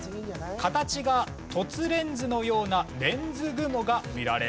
形が凸レンズのようなレンズ雲が見られます。